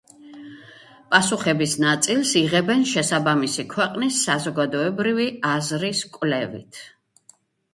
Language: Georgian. პასუხების ნაწილს იღებენ შესაბამისი ქვეყნის საზოგადოებრივი აზრის კვლევით.